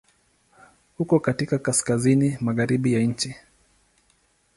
Uko katika kaskazini-magharibi ya nchi.